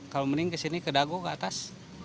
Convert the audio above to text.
kalau mending ke sini ke dagu ke atas